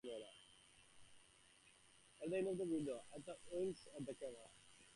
At the end of the video, Aretha winks at the camera.